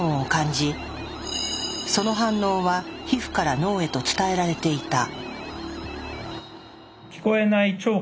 その反応は皮膚から脳へと伝えられていた。